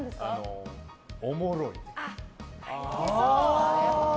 おもろい。